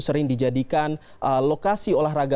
sering dijadikan lokasi olahraga